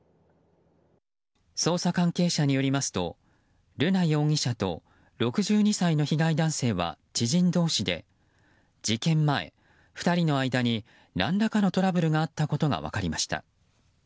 捜査関係者によりますと瑠奈容疑者と６２歳の被害男性は知人同士で事件前、２人の間に何らかのトラブルがあったことが分かりました。